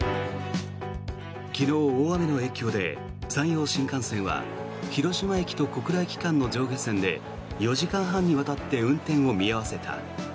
昨日、大雨の影響で山陽新幹線は広島駅と小倉駅間の上下線で４時間半にわたって運転を見合わせた。